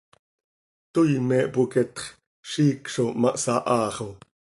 Toii me hpoqueetx, ziic zo ma hsahaa xo.